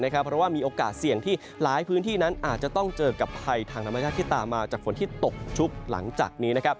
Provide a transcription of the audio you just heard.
เพราะว่ามีโอกาสเสี่ยงที่หลายพื้นที่นั้นอาจจะต้องเจอกับภัยทางธรรมชาติที่ตามมาจากฝนที่ตกชุกหลังจากนี้